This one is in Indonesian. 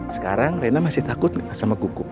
sekarang renang masih takut gak sama guguk